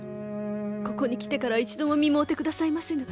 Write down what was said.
ここに来てから一度も見舞うてくださいませぬ。